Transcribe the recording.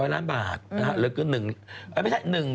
๑๗๐๐ล้านบาทหรือเปลือกึ่ง๑